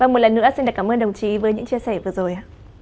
một lần nữa xin cảm ơn đồng chí với những chia sẻ vừa rồi